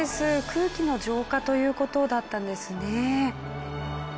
空気の浄化という事だったんですね。